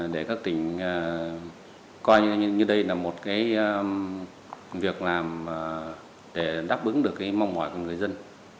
để các tỉnh coi như đây là một việc làm để đáp ứng được mong mỏi của người dân